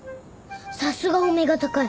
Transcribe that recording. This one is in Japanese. さすがお目が高い。